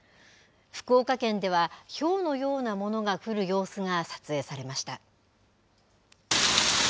福岡県ではひょうのようなものが降る様子が撮影されました。